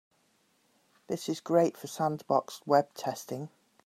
This is great for sandboxed web testing.